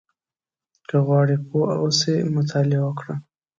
• که غواړې پوه اوسې، مطالعه وکړه.